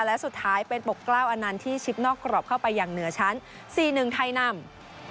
และสุดท้ายเป็นปกเกล้าอันนั้นที่ชิบนอกกรอบเข้าไปอย่างเหนือชั้นสี่หนึ่งไทยนำ